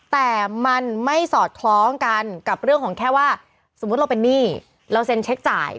แต่มันไม่สอดคล้องกันกับเรื่องของแค่ว่าสมมุติเราเป็นหนี้เราเซ็นเช็คจ่าย